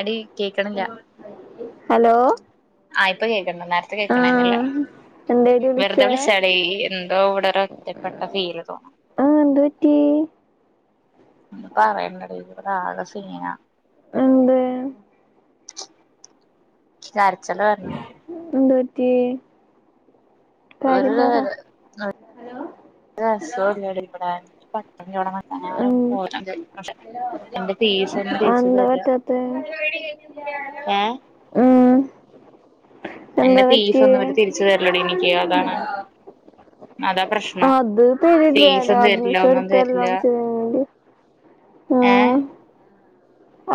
ആടി കേക്കണില്ല ഹലോ ആഹ് ഇപ്പൊ കേൾക്കണ്ട് നേരത്തെ കേൾക്കണണ്ടായിരുന്നില്ല ആഹ് എന്തേടി വെറുതെ വിളിച്ചേ വിളിച്ചെയാടി എന്തോ ഇവിടെ ഒരു ഒറ്റപ്പെട്ട ഫീല് തോന്നുന്നു ആഹ് എന്ത്‌ പറ്റി ഒന്നും പറയേണ്ടടി ഇവിടെ ആകെ സീന എന്തേ കരച്ചില് വരണ് എന്ത് പറ്റി ഒരു കാര്യം പറ ഒരു രസവും ഇല്ല ടീ ഇവടെ എനിക്ക് പറ്റണില്ല ടീ ഞാന് ഉം അവന്ന് പോന്നത് എന്റെ [unintelligible] ടീച്ചറും അതെന്താ എല്ലാം പറ്റാത്തെ ഏഹ് ഉം എന്റെ എന്താ പറ്റിയേ ഫീസ്ഒന്നും അവര് തിരിച്ചു തരില്ലടി എനിക്ക് അതാണ് അതാ പ്രശ്നം അത് തരില്ലാടാ ഫീസും തരില്ല അഡ്മിഷൻ ഒന്നും എടുത്തല്ലോ തരില്ല ചെയ്യണ്ട് ഏഹ് ആഹ്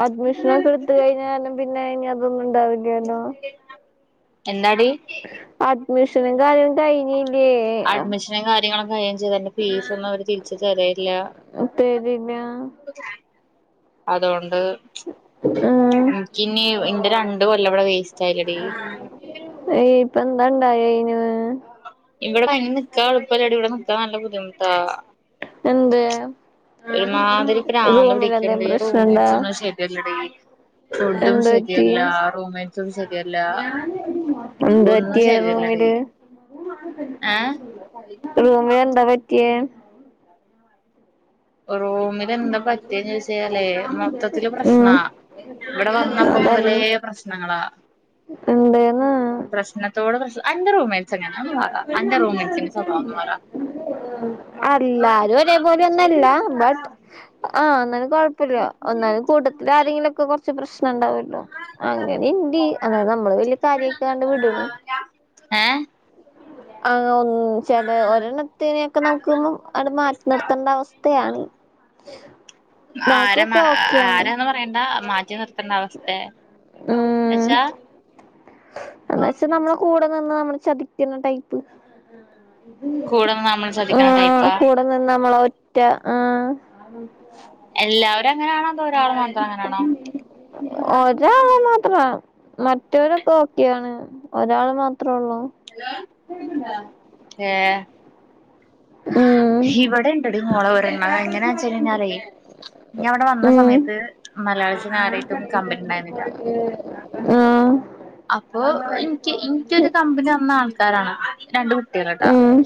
അഡ്മിഷനൊക്കെ എടുത്ത് കഴിഞ്ഞാലും പിന്നെ അയിന് അതൊന്നും ഉണ്ടാവൂല്യാല്ലോ എന്താടി അഡ്മിഷനും കാര്യങ്ങളും കഴിഞ്ഞില്ലേ അഡ്മിഷനും കാര്യങ്ങളൊക്ക കഴിയേം ചെയ്ത് എന്റെ ഫീസൊന്നും അവര് തിരിച്ചു തരയില്ല തരില്ല അതുകൊണ്ട് എനിക്കിനി എന്റെ രണ്ട് കൊല്ലം ഇവിടെ വേസ്റ്റ് ആയില്ലെടി ഏഹ് ഇപ്പന്താണ്ടായേ അയിന് ഇവിടെ അങ്ങനെ നിക്കാ എളുപ്പം അല്ലെടി ഇവിടെ നിക്കാൻ നല്ല ബുദ്ധിമുട്ടാ എന്തേ ഒരുമാതിരി പ്രാന്ത് എന്തേലും പിടിക്കുന്നെടി റൂം പ്രശ്നണ്ടാ മേറ്റ്സ് ഒന്നും ശരിയല്ലെടി ഫുഡും എന്ത് പറ്റി ശരിയല്ല റൂം മേറ്റ്സും ശെരിയല്ല എന്ത് ഒന്നും പറ്റിയേ ശരിയല്ലെടി റൂമില് ഏഹ് റൂമിന്‌ എന്താ പറ്റിയെ റൂമിൽ എന്താ പറ്റിയന്ന് ചോദിച്ചാലേ മൊത്തത്തില് ഉം പ്രശ്നാ ഇവിടെ വന്നപ്പ മുതലേ പ്രശ്നങ്ങളാ എന്തേ ന്ന് പ്രശ്നത്തോട് പ്രശ് നഅന്റെ റൂമേഴ്സ് എങ്ങന ഒന്ന് പറ അന്റെ റൂമേഴ്സിന്റെ സ്വഭാവങ്ങള് പറ അല്ലാരും ഒരേ പോലെ ഒന്നും അല്ല ബട്ട് ആഹ് ഒന്നാലും കൊഴപ്പോല്ല ഒന്നാലും കൂട്ടത്തി ആരെങ്കിലും ഒക്കെ കൊറച്ച് പ്രശ്നം ഉണ്ടാവലോ അങ്ങനെ ഇണ്ട് അതായത് നമ്മള് വല്യ കാര്യക്കാണ്ട് വിടണ് ഏ ആഹ് ഒ ചെല ഒരെണ്ണത്തനെ ഒക്കെ നമുക്ക് ഒന്ന് മാറ്റി നിർത്തേണ്ട അവസ്ഥയാണി ആര് എന്നാണ്‌ ഓക്കെയാണ് ആരാന്ന് പറയണ്ട മാറ്റി നിർ എന്നാ അവസ് തെ എന്ന് ഉം വച്ചാ എന്ന് വെച്ച നമ്മളെ കൂടെ നിന്ന് നമ്മളെ ചതിക്കുന്ന ടൈപ്പ കൂടെ നിന്ന് നമ്മളെ ചതിക്കണ ആ ടൈപ്പാ കൂടെ നിന്ന് നമ്മളെ ഒറ്റ ആഹ് എല്ലാവരും എല്ലാരും അങ്ങനാണോ അതോ ഒരാള് മാത്രം അങ്ങനാണോ എല്ലാവക്കും ഒരാള് മാത്രം മറ്റേവര് ഇപ്പ ഒക്കെ ആണ് ഒരാള് മാത്രേ ഒള്ളൂ ഹലോ [unintelligible] ഏയ് ഉം ഇവിടെ ഇണ്ടടി മോളെ ഒരണ്ണം എങ്ങന വെച്ച് കഴിഞ്ഞാലേ ഇനി അവിടെ വന്ന ഉം സമയത്ത് മലയാളത്തി ആരായിട്ടും കമ്പനി ഇണ്ടായിരുന്നില്ല ആഹ് അപ്പൊ എനിക്ക് എനിക്ക് ഒരു കമ്പനി തന്ന ആൾക്കാരാണ് രണ്ട് കുട്ടികള് കേട്ടോ ഉം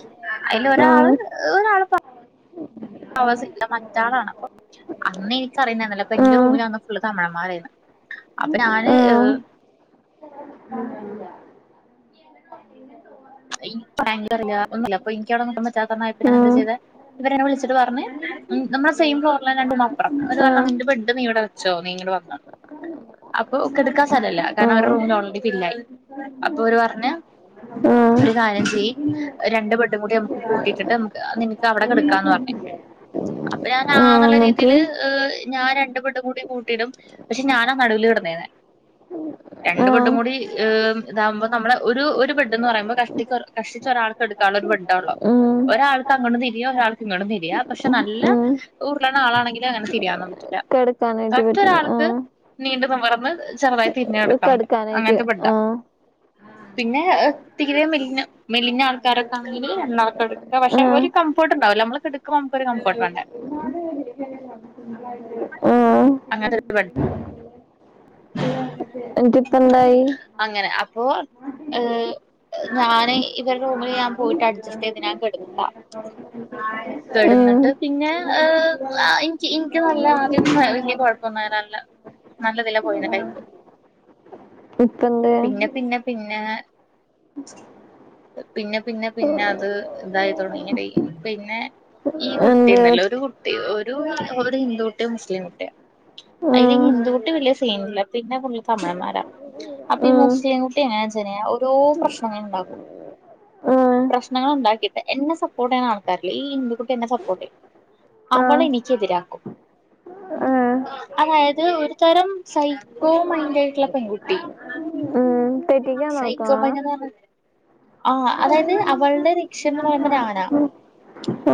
അതില് ഒരാള് ആഹ് ഒരാള് പ അവസ ഇല്ല മറ്റാളാണ് അപ്പ അന്ന് എനിക്ക് അറിയുന്നെന്നും ഇല്ല അപ്പ എന്റെ ആഹ് റൂമില അന്ന് ഫുള്ള് തമിഴൻന്മാരായിരുന്നു അപ്പ ഞാനി ഏയ് [inaudible] [unintelligible] ഇവര് എന്നെ വിളിച്ചിട്ട് പറഞ്ഞ് നമ്മ സെയിം ഫ്ലോറിലെ രണ്ടും മാത്രം അതു ആഹ് കാരണം ആഹ് നിന്റെ ബെഡും നീ അവിടെ വെ ച്ചോ നി ഇങ്ങട് വന്നാ അപ്പൊ കെടക്കാൻ സ്ഥലം ഇല്ല ആഹ് കാരണം അവരുടെ ആഹ് റൂമ് ഓൾറെഡി ഭില്ലായി അപ്പൊ അവര് പറഞ്ഞ് ഒരു കാര്യം ചെയ് രണ്ട് ബെട്ടും കൂടി നമുക്ക് കൂട്ടിയിട്ട് നമുക്ക് നിനക്ക് അവിടെ കിടക്കാന്ന് പറഞ്ഞ് അപ്പ ഞാൻ ആ എന്ന് ആഹ് ഒള്ള രീതിയിൽ എന്നിട്ട് ഞാന് രണ്ട് ബെഡും കൂടി കൂട്ടിടും പക്ഷെ ഞാന നടുവില് കിടന്നേനെ ഉ രണ്ട് ബെഡും കൂടി ഇതാവുമ്പോ നമ്മള് ഒരു ഒരു ബെ ഇത് എന്ന് പറയുമ്പോ കഷ്ടിക് കഷ്ടിച്ച ഒരാൾക്ക് കെടക്കാൻ ഒള്ള ഒരു ബെഡ് ഒള്ളൂ ഉം ഒരാൾക്ക് അങ്ങോട്ടും തിരിയാ ഒരാൾക്ക് ഇങ്ങോട്ടും തിരിയാ പക്ഷെ നല്ല ഉം ഊറളണ ആളാണെങ്കില് അങ്ങനെ തിരിയാൻ പറ്റുല്ല കെടക്കാനായിട്ട് മറ്റ് പറ്റില്ല ഒരാൾക്ക് ആഹ് നീണ്ട് നിവർന്ന് ചെറുതായി തിരിഞ്ഞ് കെടാക്കാം കെടുക്കാനായിട്ട് അങ്ങനത്തെ ബെഡാ ആഹ് പിന്നെ തീരെ മെലിഞ്ഞ മെലിഞ്ഞ ആൾക്കാര് ഒക്കെ ആണെങ്കിൽ നടക്ക് കെടക്കാം പക്ഷെ ആഹ് ഒരു കംഫർട്ട് ഒണ്ടാവില്ല നമ്മള് കെടക്കുമ്പോ നമുക്ക് ഒരു കംഫർട്ട് വേണ്ടേ ആഹ് അങ്ങന എന്നിട്ടിപ്പ എന്തായി [unintelligible] അങ്ങനെ അപ്പോ ഏയ് ഞാന് ഇവരുടെ റൂമിൽ ഞാൻ പോയിട്ട് അഡ്ജസ്റ്റ് ചെയ്ത് ഞാൻ കിടക്കുക ഉം കെടന്നിട്ട് പിന്നെ ഏയ് അഹ് എനിക്ക് എനിക്ക് നല്ല ആദ്യം ഒക്കെ വല്യ കൊഴപ്പൊന്നും [unintelligible] നല്ലത് അല്ലാ പൊയിനത് ഇപ്പ എന്ത് പിന്നെ പിന്നെ. പിന്നെ പിന്നെ പിന്നെ അത് ഇതായി തുടങ്ങി ഡി പിന്നെ ഈ എന്ത് കുട്ടിന്നല്ലേ ഒരു കുട്ടി ഒരു ഒരു ഹിന്ദു കുട്ടിയോ മുസ്ലിം കുട്ടിയാ അയില് ആഹ് ഹിന്ദു കുട്ടി വലിയ സീനില്ല പിന്നെ ഫുൾ തമിഴ്ന്മാര. അപ്പൊ ഈ ആഹ് മുസ്ലിംകൂട്ടി എങ്ങനാ ചെയ്ഞ്ഞാൽ ഓരോ പ്രശ്നങ്ങൾ ഉണ്ടാക്കും. ആഹ് പ്രശ്നങ്ങള ഉണ്ടാക്കയിട്ട് എന്നെ സപ്പോർട്ട്ചെയ്യാൻ ആൾക്കാരില്ല ഈ ഇന്ത്കുട്ടി എന്നെ സപ്പോർട്ട് ചെയ്യും. ആഹ് അവളെ എനിക്കെതിരാക്കും. ആഹ് അതായത് ഒരു തരം സൈക്കോ മയിന്റ് ആയിട്ടുള്ള പെൺകുട്ടി ഉം തെറ്റിക്കാൻ നോക്കോ സൈക്കോ മയിന്റ് [unintelligible] അതായത് അവളുടെ [unintelligible] [unintelligible] ഞാന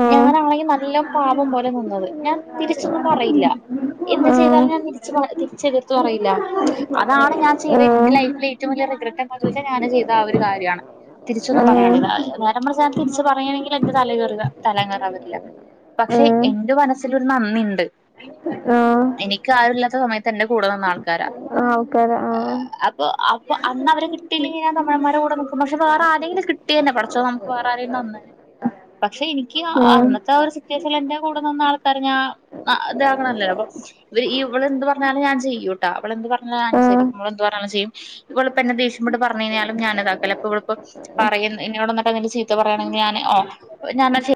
ആഹ് ഞാനാണെങ്കി നല്ല പാപം പോലെ നിന്നത് ഞാൻ തിരിച്ചൊന്നും പറയില്ല എന്ത്തു ആഹ് ചെയ്താലും ഞാൻ തിരിച് തിരിച് എതിർത്തു പറയില്ല അതാണ് ഞാൻ ചെയിത എന്റെ ആഹ് ലൈഫിൽ ഏറ്റ വലിയ [unintelligible] ഞാൻ ചെയ്ത ആ ഒരു കാരിയാണ്. തിരിച്ചൊന്നും പറയാൻ ആഹ് [unintelligible] നേരെ മറിച് തിരിച്ചു പറയയാണെങ്കിൽ എന്റെ തലേ കെർക തലേകേറാൻവരില്ല. പക്ഷെ ആഹ് എന്റെ മനസ്സിലൊരു നന്ദി ഉണ്ട് ആഹ് എനിക്ക് ആരുില്ലാത്ത സമയത്ത് എന്റെ കൂടെ നിന്ന ആൾക്കാരാ. ആൾക്കാര് ആഹ് അപ്പൊ അപ്പോ അന്ന് അവരെ കിട്ടിയില്ലെങ്കിൽ ഞാൻ '' തമിഴൻമാരുടെ കൂടെ നിക്കും പക്ഷേ വേറെ ആരെങ്കില് കിട്ടിയേനെ പഠച്ചോ നമുക്ക് വേറെ ആരെങ്കിലും തന്നേനെ പക്ഷെ എനിക്ക് ഉം അന്നത്തെ ഒരു സി റ്റുവേഷനിൽ എന്റെ കൂടെ നിന്ന ആൾക്കാരെ ഞ ഇതാകണല്ലേ അപ്പൊ. വ് ഇ ഇവൾ എന്ത് പറഞ്ഞാലും ഞാൻ ചെയ്യുട്ടാ ഇവൾ എന്ത്പറഞ്ഞാലും ആഹ് അനുസരിക്കും ഇവൾ എന്ത്പറഞ്ഞാലും ചെയ്യും. ഇവളിപ്പോ എന്നെ ദേഷ്യപ്പെട്ട പറഞ്ഞുകയിഞ്ഞാലും ഞാൻ അ താക്കല്ല ഇപ്പ ഇവൾപ്പോ പറയും എന്നോട് ന്ന പ്പ എന്തെങ്കിലും ചിത്തപറയാണെങ്കിൽ ഞാന് ഓ ഞാൻ അത് ചെ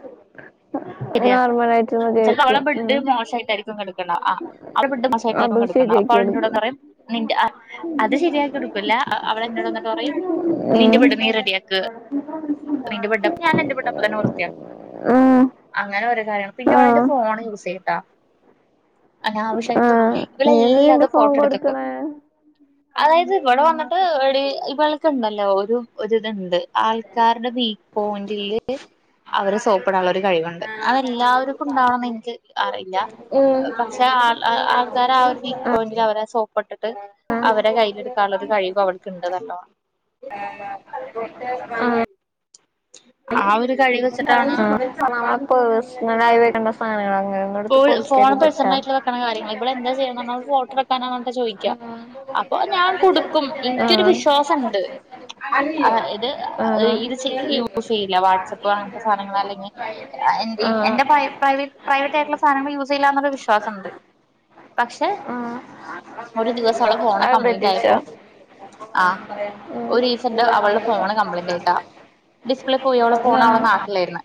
ശരിയാക്കും നോർമലായിട്ട് ചെലപ്പം അവളെ മതിയായിരിക്കും ബഡ് ഉം മോശമായിട്ടായിരിക്കും കെടക്കണ ആഅവളുടെ ബെഡ് ശായിട്ടായിരിക്കും അതും കെടക്കണ അപ്പൊ ശരിയാക്കി അവൾ എന്നോട് കൊടുക്കും പറയും നിന്റെ അ അത് ശെരിയാക്കി കൊടുക്കൂല്ല അവൾ എന്നോട് വന്നിട്ട് പറയും നിന്റെ ഉം ബെഡ് നീ റെഡിയാക്. നിന്റെ ബെഡ് അപ്പൊ ഞാൻ എന്റെ ബെഡ് അപ്പോ തന്നെ വൃത്തിയാക്കും മ് അങ്ങനെ ഒരു കാര്യം പിന്നെ അവൾ എന്റെ ഫോൺ യൂസ് ചെയ്ട്ടാ അനാവശ്യായിട്ട് ആഹ് നീ എന്തിനാ നിന്റെ ഇവളെല്ലാതും ഫോൺ ഫോട്ടോ എടുത്തക്കും കൊടുക്കണേ അതായത് ഇവള് വന്നിട്ട് എടീ ഇവൾക് ഉണ്ടല്ലോ ഒരു ഒരു ഇതുണ്ട് ആൾക്കാരുടെ വീ പോയിന്റില് അവരെ സോപ്പിടാനുള്ള ഒരു കഴിവുണ്ട്. അതെല്ലാവർക്കും ഉണ്ടാവണംന്ന് എനിക്ക് അറിയില്ല. പക്ഷെ ആ ആൾകാരെ ആ ഒരു വിക് പോയിന്റില് അവരെ സോപ്പിട്ടിട്ട് '' അവരെ കയ്യില് എടുക്കാനുള്ളൊരു കഴിവ് അവൾക്കുണ്ട് കേട്ടോ [inaudible] ങാ ആ ഒരു കഴിവ് വെച്ചിട്ടാണ്. ആ അത് പേഴ്സണൽ ആയി വരുന്ന സാധനങ്ങൾ ആണ് അങ്ങനെ'' ഫോൺ പേർസണൽ ആയിട്ട് വെക്കണ്ണാ കാര്യങ്ങൾ ഇവൾ എന്താ ചെയ്യാന്ന് പറഞ്ഞാൽ ഫോട്ടോ എടുക്കാനാ പറഞ്ഞിട്ടാ ചോദിക്ക. അപ്പൊ ഞാൻ കൊടുക്കും എനിക്കൊരു ആഹ് വിശ്വാസുണ്ട് ആ ഇത് ആഹ് ഇത് ചെയ്യും യൂസ് ചെയ്ല്ല വാട്സ്ആപ്പ് അങ്ങനത്തെ സാധനങ്ങൾ അല്ലെങ്കിൽ ആഹ് എന്റെ പ്രൈ പ്രൈവ പ്രൈവറ്റായി സാധനങ്ങൾ യൂസ് ചെയ്യില്ലന്ന വിശ്വാസം ഉണ്ട് പക്ഷെ ആഹ് ഒരു ദിവസം അവളെ ഫോണ് അതെന്താ കംപ്ലൈന്റ് പറ്റിച്ചാ ആയപ്പോ ആഹ് ഉം ഒരീസം ണ്ട് അവളെ ഫോണ് കംപ്ലൈന്റ് ആയിട്ടാ. ഡിസ്പ്ലേ പോയി ഓളെ ഫോൺ അവളെ ആഹ് നാട്ടിലായിരുന്ന്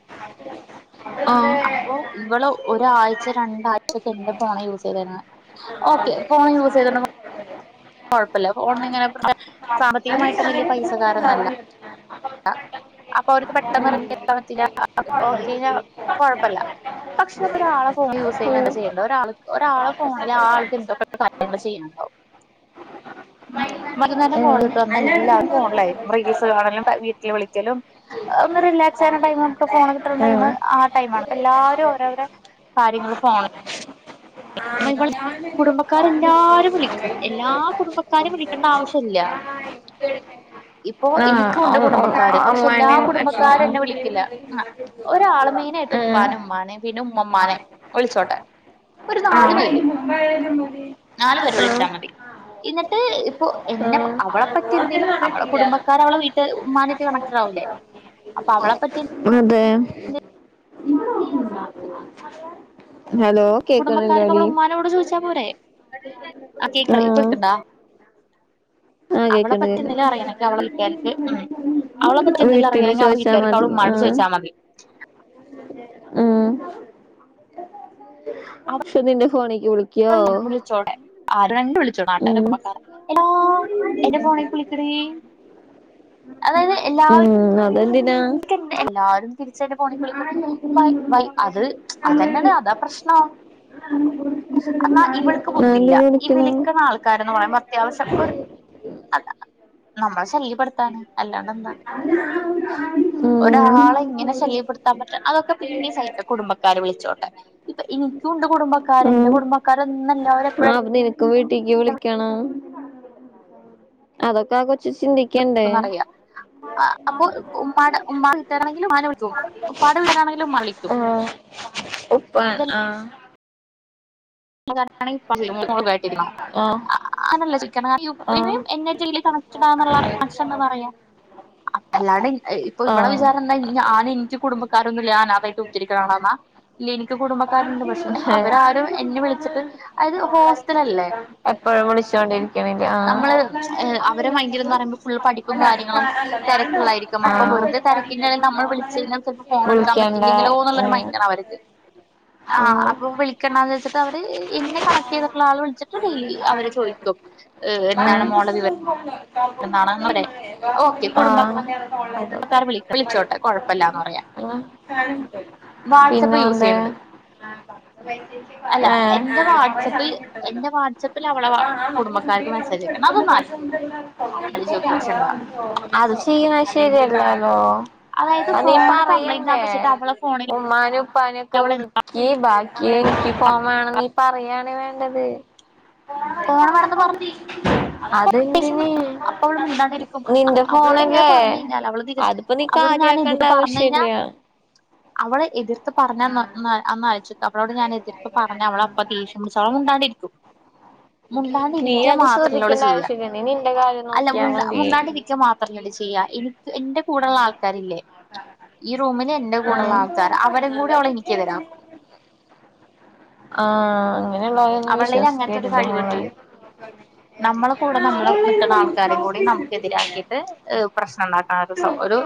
ആഹ് ഇവള് ഒരാഴ്ച രണ്ടാഴ്ചൊക്കെ എന്റെ ഫോണ യൂസെയ്തിരുന്നെ ഓക്കെ ഫോൺ യൂസൈതൊന്നും കൊഴപ്പില്ല ഫോണ് ഇങ്ങനെ സാമ്പത്തികമായിട്ടും വെല്ല്യ പൈസ കാരൊന്നല്ല അപ്പൊ ഓര്ക്ക് പെട്ടെന്നൊരു [unintelligible] ഓക്കെന്നാൽ കൊഴപ്പല്ല പക്ഷെ നമ്മടെ ആള ഫോൺ യൂസെയ്യണ്ട ഉം ചെയ്യണ്ട ഒരാൾക്ക് ഒരാളെ ഫോണില് ആ ആൾക്ക് എന്തൊക്കെ കാര്യങ്ങൾ ചെയ്യുന്നുണ്ടാവും ഉം വൈന്നേരം ഉം കോളയ്ട്ട് വന്നാൽ എല്ലാരും ഫോണിലായിക്കും റീൽസ് കാണലും വീട്ടില് വിളിക്കലും ഒന്ന് റിലാക്സ് ആവ്ണ ടൈമ് നമുക്ക് ഫോണ്കിട്ടണ ടൈമ് ഉം ആ ടൈമാണ് എല്ലാരും അവരവരെ കാര്യങ്ങള് ഫോണ് [unintelligible] കുടുംബക്കാരെല്ലാരും വിളിക്കും എല്ലാ കുടുംബക്കാരും ഉം വിളിക്കേണ്ട ശരിന്നേ ഇപ്പൊ എനിയ്ക്കൂണ്ട് കുടുംബക്കാര് പക്ഷെ എല്ലാ കുടുംബക്കാരന്നെ വിളിക്കില്ല ആ ഒരാള് മെയിനായിട്ട് ഉപ്പാനെ ഉമ്മാനെ പിന്നെ ഉമ്മമ്മാനെ വിളിച്ചോട്ടെ ആഹ് നാലു പേര് നാലു പേര് വിളിച്ചാ മതി ഇന്നിട്ട് ഇപ്പൊ എന്നെ പ ആ. അവളെ പറ്റി എന്തെലും അവളെ കുടുംബക്കാര അവളെ വീട്ടാര് ഉമ്മാനേറ്റ് [unintelligible] ആവുലെ അപ്പൊ അവളെ പ്പറ്റി അതേ [unintelligible] ഹലോ കുടുംബക്കാര്ക്ക് കേക്കണില്ലേടി അവളെ ഉമ്മാനോട് ചോയ്ച്ചാ പോരേ. ആ [unintelligible] ആ അവളെ കേക്കണ്ട് പ്പറ്റി എന്തേലും കേക്കണ്ട് അറിയണെങ്കി അവള വീട്ടാര്ക്ക്‌ ആ അവളെ പറ്റി വീട്ടില് എന്തേലറിയാഞ്ഞാ അവൾ ചോദിച്ചാ വീട്ടാര്ക്ക് മതി ആ അവളുമ്മാനോട് ചോയിച്ചാ മതി [unintelligible] ഉം സുമിന്റെ ഫോണിക്ക് വിളി ഒന്ന് വിളിച്ചോട്ടെ ആരണ്ട് വിളിച്ചോ നാട്ടാരൊ ഉം കുടുമ്പക്കാര എടാ എന്റെ ഫോണേക്ക്‌ വിളി എടീ ഉം അതെന്തിനാ എല്ലാരും തിരിച്ചട് പോണിക്ക് വിളിക്കും വൈ അത് അതന്നെണ് അതാ പ്രശ്നം എന്നാ ഇവൾക്ക് ഞാൻ ബുദ്ധില്ല എന്തിന് ഈ വിളിക്കണം വിളിക്ക് ണ ആൾക്കാരന്ന് പറയുമ്പോ അത്യാവശ്യം ഒര് അല്ലാ നമ്മളെ ശല്യപ്പെട് ത്താണ് അല്ലാണ്ടെന്താ ഒരാളെ ഇങ്ങനെ ഉം ശല്യപ്പെടുത്താൻ പറ്റ അതൊക്കെ പിന്നേം സഹിക്കും കുടുംബക്കാര് വിളിച്ചോട്ടെ ഇപ്പൊ എനിക്കുംണ്ട് കുടുംബക്കാര് എന്റെ കുടുംബ ക്കാരൊന്ന്ണ്ട് ആ പ്പൊ നിനക്കും വീട്ടിക്ക് വിളിക്കണം അതൊക്കെ ആ കൊച് ക്കണ്ടേ വിളിക്കുന്നറിയാ അപ്പൊ ഉമ്മാടെ ഉമ്മാ വീട്ടാരാണെങ്കിലും ഉമ്മാനെ വിളിക്കും ഉപ്പാടെ വീട്ടാരാണെങ്കിലും ഉമ്മാനെ വിളിക്കും [unintelligible] ഉപ്പാൻ ആ [unintelligible] അ ആഹ് അതല്ല ചോയ്ക്കണ ആഹ് [unintelligible] കണക്റ്റഡാന്നുള്ള കണക്ഷൻണ്ട് ന്നാപറയാ അ അല്ലാണ്ടെ ഇൻക് ഇപ്പൊ ഇവളെ ആഹ് വിചാരെന്താ ഞാന് ഇന്റെ കുടുംബക്കാരൊന്നുംല്ല ഞ്ഞാ അനാഥായിട്ട് കുത്തിരിക്കാണെ ന്നാ ഇല്ല ഇൻക്ക് കുടുംബക്കാരുണ്ട് പക്ഷെ അവരാരും എന്നെ വിളിക് അയ്‌ന് ത് ഹോസ്റ്റലല്ലേ എപ്പോഴും വിളിച്ചോണ്ടിരിക്കണില്ലേ ആഹ് നമ്മളെ വെച് ഏ അവരെ മൈൻഡില്ന്ന് പറയുമ്പോ ഫുൾ പഠിപ്പും കാര്യങ്ങളും തെരക്കുള്ളായിരിക്കും അപ്പൊ ആഹ് വെറുതെ പിന്നെ അതല്ല നമ്മള് വിളിച്ചയിഞ്ഞാ ചെലപ്പോ ഫോൺ എടുക്കാ വിളിക്കണ്ട പറ്റില്ലെങ്കിലോ എന്നുള്ളരു ഉം മൈൻഡാണ് ആ ആഹ് അപ്പൊ വിളിക്കണ്ടാന്ന് വെച്ചിട്ടവര് ഇന്നെ കണക്ടെയ്തിട്ടുള്ള ആള് വിൾച്ച [unintelligible] അവര് ചോയിക്കും എന്താണ് മോളെ വിവര [unintelligible] ഓക്കെ ആഹ് കുടുംബക്കാർ വിളി വിളിച്ചോട്ടെ കുഴപ്പമില്ലാന്ന് പറയാ [unintelligible] പിന്നെ വാട്സആപ്പ് യൂസ് ഒന്തേ ചെയ്യണ്ട് അല്ല ആഹ് എന്റെ വാട്സപ്പിൽ എന്റെ വാട്സപ്പിൽ അവളെ കുടുംബക്കാർക്ക് മെസ്സേജ് അയക്കണം അതൊന്ന് [unintelligible] ആലോചിച്ച് നോക്ക് ഷണ്ട അത് ചെയ്യ്ണത് ശരിയല്ലാലോ അതായത് അ ഫോണ് കംപ്ലൈന്റ് നീപ്പറയണ്ടേ ആന്ന് വെച്ചിട്ട് അവളെ ഫോണിൽ ഓ ഉമ്മാനും ഉപ്പാനൊക്കെ അവളെ വിളിക്കി ബാക്കി എക്കി പോവാണന്ന് നീപറയാണ് വേണ്ടത് ഫോണ് വേണന്ന് പറഞ്ഞ് അതെന്തിൻ അപ്പ അവൾ മിണ്ടാണ്ടിരിക്കും അവ അവളോട് ഇങ്ങനെ പറഞ്ഞ കഴിഞ്ഞാൽ അവൾ തിര അതിപ്പോ നീ അവളോട് ഞാൻ കാര്യാക്കേണ്ട എതിര് പറഞ് കഴിഞ്ഞാ ആവശ്യല്ല [inaudible] അവള് എതിർത്ത് പറഞാ ന്നാ അന്നായച്ച് അവളോട് ഞാൻ എതിർത്ത് പറഞാ അവളപ്പ ദേഷ്യംപിടിച്ച് മുണ്ടാണ്ടിരിക്കും മുണ്ടാണ്ട നീ ഇരിക്ക അത് മാത്രല്ലോള്ള് ശ്രദ്ധിക്കേണ്ട ച്യ്യ [unintelligible] അല്ല നോക്കിയാ മുണ്ടാ മതി മുണ്ടാണ്ടിരിക്ക മാത്രല്ല ചെയ്യ എനിക്ക് എന്റെ കൂടള്ള ആൾക്കാരില്ലേ ഈ റൂമില് എന്റെ കൂടള്ള ആഹ് ആൾക്കാർ അവരിം കൂടി അവള എനിക്കെ തിരാക്കും ആഹ് അങ്ങനെയുള്ളോരൊന്നും വിശ്വസിക്കരു കഴിവ്ണ്ട് നമ്മള കൂടെ നമ്മള നിക്ക്ണ ആൾക്കാരിംകൂടി നമുക്കെതിരാക്കീട്ട് പ്രശ്നം ഇണ്ടാക്കാനൊരു ഒരു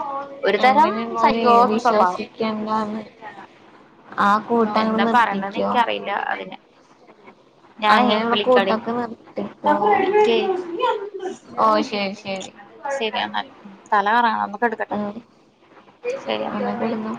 ഒരു തരം അങ്ങനെയുള്ളവരെ സൈക്കോ സ്വഭവം [unintelligible] ആ കൂട്ടങ്ങട് നിർത്തി ക്യേ ഇല്ല അതിന്ന് ഞാനേ അങ്ങനെയുള്ള വിളിക്കാടി കൂട്ടൊക്കെ നിർത്തിക്കോ ഇക്കയ് ഓ ശരി ശരി ശരി എന്നാ തല കറങ്ങണ ഒന്ന് കെട് ക്കട്ടെ ഉം ശരി എ എന്നാ കെടന്നോ